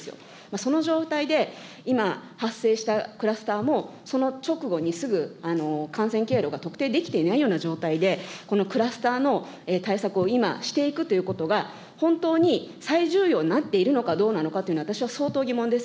その状態で、今、発生したクラスターも、その直後にすぐ感染経路が特定できていないような状態で、このクラスターの対策を今、していくということが本当に最重要になっているのかどうなのかというのは、私は相当疑問です。